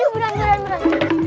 yuk yuk beran beran beran